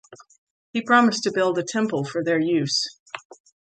He promised to build a temple for their use.